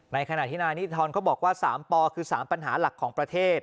ในขณะที่นานี้ทอนเขาบอกว่าสามปคือสามปัญหาหลักของประเทศ